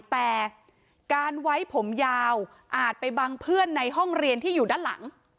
แต่การไว้ผมยาวอาจไปบังเพื่อนในห้องเรียนที่อยู่ด้านหลัง